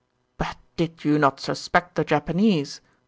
"But did you not suspect the Japanese?"